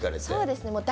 そうですね。